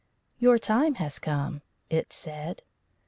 "Your time has come," it said.